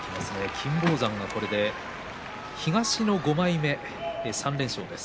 金峰山がこれで東の５枚目、３連勝です。